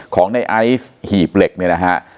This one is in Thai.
ของในไอซ์หีบเหล็กเนี่ยนะฮะ